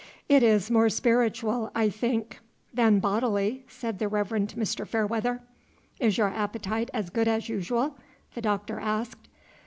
"It is more spiritual, I think, than bodily," said the Reverend Mr. Fairweather. "Is your appetite as good as usual?" the Doctor asked.